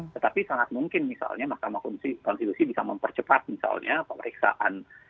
tetapi sangat mungkin misalnya mahkamah konstitusi bisa mempercepat misalnya pemeriksaan